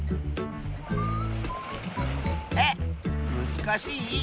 えっむずかしい？